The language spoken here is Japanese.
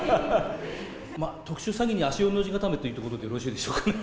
まあ、特殊詐欺に足４の字固めということでよろしいでしょうかね。